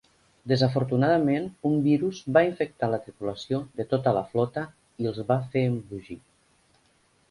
Desafortunadament, un virus va infectar la tripulació de tota la flota i els va fer embogir.